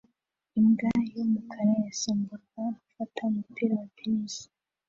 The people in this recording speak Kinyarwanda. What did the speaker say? Imbwa yumukara gusimbuka gufata umupira wa tennis